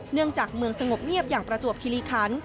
เนื่องจากเมืองสงบเงียบอย่างประจวบคิริคัน